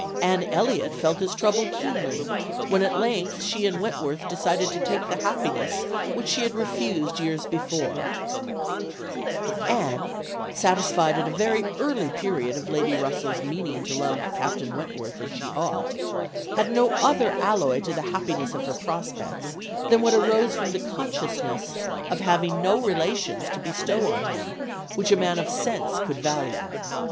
Anne Elliot felt this trouble keenly, when at length she and Wentworth decided to take the happiness which she had refused years before "Anne, satisfied at a very early period of Lady Russell's meaning to love Captain Wentworth as she ought, had no other alloy to the happiness of her prospects than what arose from the consciousness of having no relations to bestow on him which a man of sense could value.